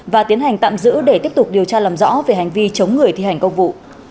và tiến hành tạm giữ để tiếp tục điều tra làm rõ về hành vi chống người thi hành công vụ